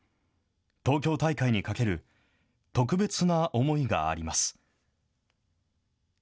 東京大会にかける特別な思いがあります。